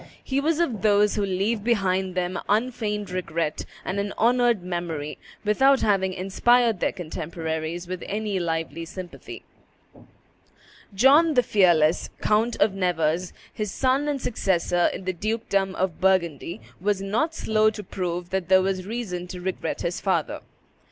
He was of those who leave behind them unfeigned regret and an honored memory, without having inspired their contemporaries with any lively sympathy. John the Fearless, Count of Nevers, his son and successor in the dukedom of Burgundy, was not slow to prove that there was reason to regret his father.